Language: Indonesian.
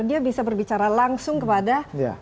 dia bisa berbicara langsung kepada